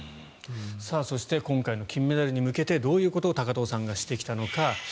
そして今回の金メダルに向けてどういうことを高藤さんがしてきたのか。